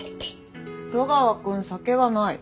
戸川君酒がない。